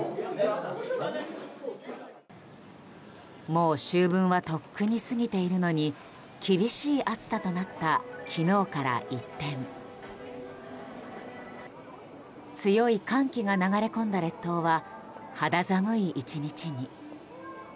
もう、秋分はとっくに過ぎているのに厳しい暑さとなった昨日から一転強い寒気が流れ込んだ列島は肌寒い１日に。